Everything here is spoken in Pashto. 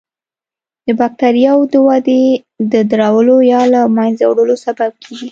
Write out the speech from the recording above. د بکټریاوو د ودې د درولو یا له منځه وړلو سبب کیږي.